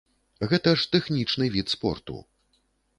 Гэта ж тэхнічны від спорту!